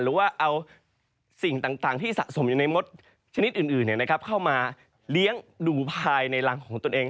หรือว่าเอาสิ่งต่างที่สะสมอยู่ในมดชนิดอื่นเข้ามาเลี้ยงดูภายในรังของตนเอง